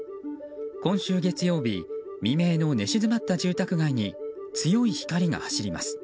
今週月曜日未明の寝静まった住宅街に強い光が走ります。